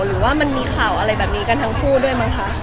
หรือว่ามันมีข่าวอะไรแบบนี้กันทั้งคู่ด้วยมั้งคะ